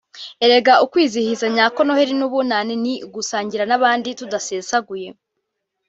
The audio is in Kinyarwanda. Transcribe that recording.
Erega ukwizihiza nyako Noheli n’Ubunani ni ugusangira n’abandi tudasesaguye